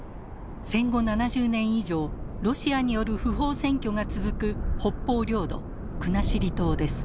戦後７０年以上ロシアによる不法占拠が続く北方領土国後島です。